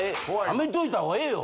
やめといたほうがええよ。